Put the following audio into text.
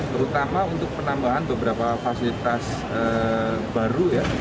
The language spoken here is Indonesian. terutama untuk penambahan beberapa fasilitas baru ya